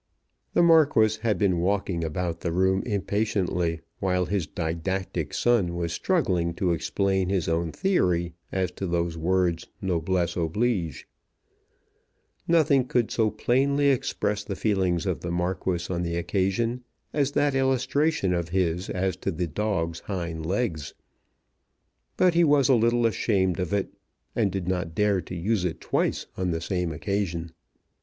The Marquis had been walking about the room impatiently, while his didactic son was struggling to explain his own theory as to those words noblesse oblige. Nothing could so plainly express the feelings of the Marquis on the occasion as that illustration of his as to the dog's hind legs. But he was a little ashamed of it, and did not dare to use it twice on the same occasion.